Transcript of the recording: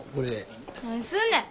何すんねん！